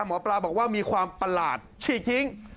หมอปลาบอกว่ามีความประหลาดฉีกทิ้ง